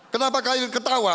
kenapa kalian ketawa